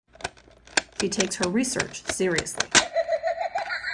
She takes her research seriously.